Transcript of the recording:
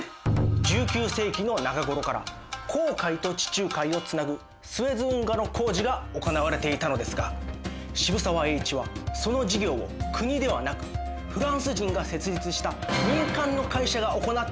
１９世紀の中頃から紅海と地中海をつなぐスエズ運河の工事が行われていたのですが渋沢栄一はその事業を国ではなくフランス人が設立した民間の会社が行っていることに驚きました。